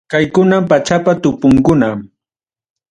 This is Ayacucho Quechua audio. Kaykunam pachapa tupunkuna.